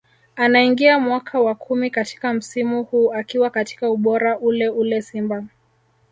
Anaingia mwaka wa kumi katika msimu huu akiwa katika ubora ule ule Simba